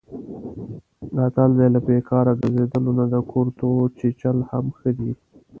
متل دی: له بیکاره ګرځېدلو نه د کورتو چیچل هم ښه دي.